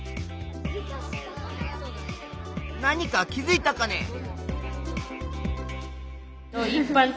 何か気づいたかね？